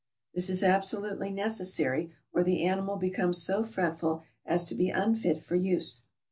This is absolutely necessary, or the animal becomes so fretful as to be unfit for use.